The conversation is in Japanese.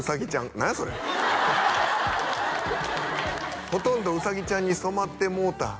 何やそれ「ほとんどうさぎちゃんにそまってもうた」